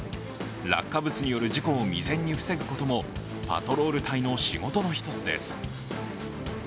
落下物による事故を未然に防ぐこともパトロール隊の仕事の一つです。